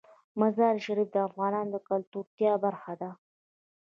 مزارشریف د افغانانو د ګټورتیا برخه ده.